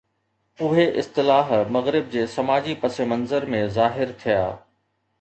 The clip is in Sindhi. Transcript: اهي اصطلاح مغرب جي سماجي پس منظر ۾ ظاهر ٿيا.